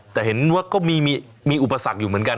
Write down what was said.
แต่เห็นว่าก็มีอุปสรรคอยู่เหมือนกัน